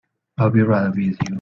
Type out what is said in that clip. I'll be right with you.